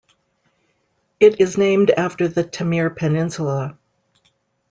It is named after the Taymyr Peninsula.